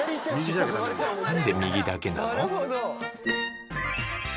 何で右だけなの？